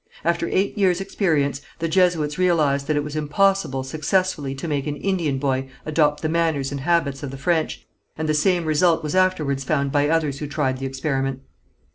After eight years' experience, the Jesuits realized that it was impossible successfully to make an Indian boy adopt the manners and habits of the French, and the same result was afterwards found by others who tried the experiment.